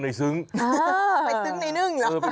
ไปซึ้งในนึ่งหรอ